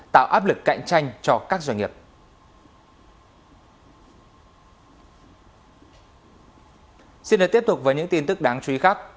tạo áp lực cạnh tranh cho các doanh nghiệp